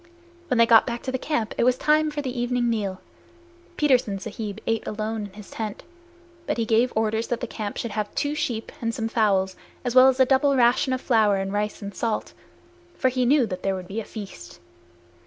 When they got back to camp it was time for the evening meal. Petersen Sahib ate alone in his tent, but he gave orders that the camp should have two sheep and some fowls, as well as a double ration of flour and rice and salt, for he knew that there would be a feast.